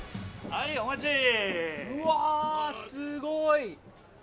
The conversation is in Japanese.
うわ、すごい！